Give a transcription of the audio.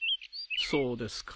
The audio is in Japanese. そうですか。